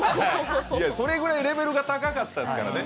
それぐらいレベルが高かったですからね。